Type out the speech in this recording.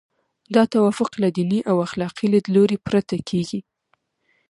دا توافق له دیني او اخلاقي لیدلوري پرته کیږي.